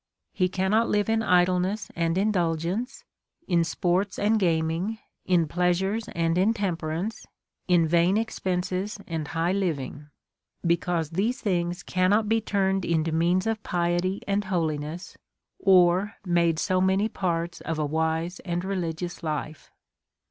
He can not live in idleness and indulgence, in sports and gam ing , in pleasures and intemperance, in vain expenses and high living ; because these things cannot be turn ed into means of piety and holiness, or made so many parts of a wise and religious life.